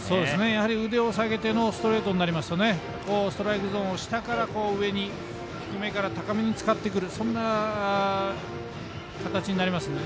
やはり腕を下げてのストレートになりますとストライクゾーンを低めから高めに使ってくるそんな形になりますので。